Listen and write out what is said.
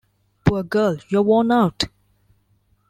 Poor girl, you're worn out.